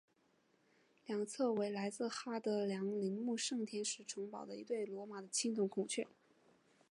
两侧为来自哈德良陵墓圣天使城堡的一对罗马的青铜孔雀。